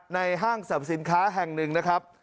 ห้างสรรพสินค้าแห่งหนึ่งนะครับ